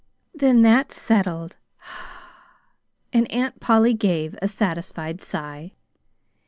"Then that's settled." And Aunt Polly gave a satisfied sigh.